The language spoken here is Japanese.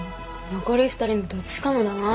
残り２人のどっちかのだな。